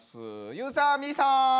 ゆうさんみいさん。